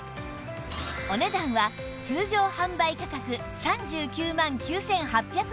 お値段は通常販売価格３９万９８００円のところ